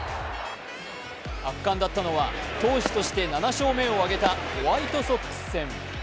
圧巻だったのは、投手として７勝目を挙げたホワイトソックス戦。